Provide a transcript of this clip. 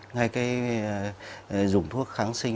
ngay cái dùng thuốc kháng sinh